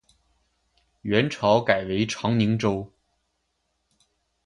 元朝改为长宁州。